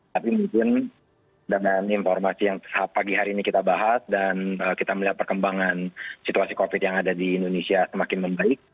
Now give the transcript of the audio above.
tapi mungkin dengan informasi yang pagi hari ini kita bahas dan kita melihat perkembangan situasi covid yang ada di indonesia semakin membaik